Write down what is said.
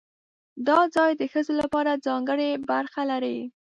دا ځای د ښځو لپاره ځانګړې برخه لري.